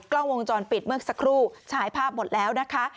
กล้องวงจรปิดเมื่อสักครู่ฉายภาพหมดแล้วนะคะ